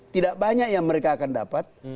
tidak banyak yang mereka akan dapat